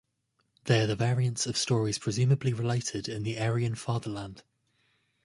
They are the variants of stories presumably related in the Aryan fatherland.